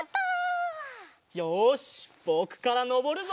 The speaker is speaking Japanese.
よしぼくからのぼるぞ！